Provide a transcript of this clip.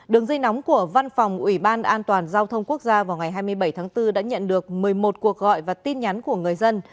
đường dây nóng của văn phòng ủy ban an toàn giao thông quốc gia vào ngày hai mươi bảy tháng bốn đã nhận được một mươi một cuộc gọi và tin nhắn của người dân